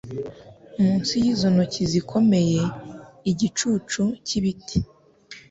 Munsi yizo ntoki zikomeye, igicucu cyibiti,